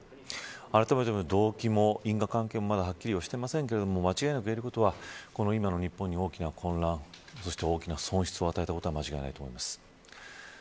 あらためて見ると動機も因果関係もまだはっきりはしていませんが間違いなく言えることはこの今の日本に大きな混乱、そして大きな損失を与えたことは間違いないと思います。